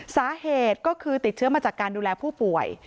สาเหตุก็คือติดเชื้อมาจากการดูแลผู้ป่วย